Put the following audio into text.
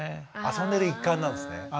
遊んでる一環なんですね。